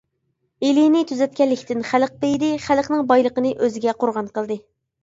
ئېلىنى تۈزەتكەنلىكتىن خەلق بېيىدى، خەلقنىڭ بايلىقىنى ئۆزىگە قورغان قىلدى.